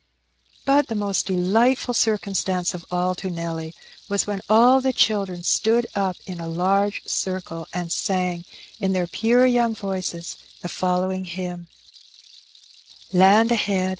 But the most delightful circumstance of all to Nelly was when all the children stood up in a large circle, and sang in their pure young voices the following hymn: —" Land ahead